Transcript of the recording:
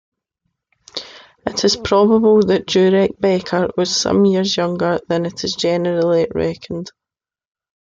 It is probable that Jurek Becker was some years younger than is generally reckoned.